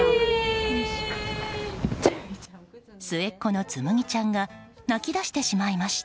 末っ子の紡希ちゃんが泣き出してしまいました。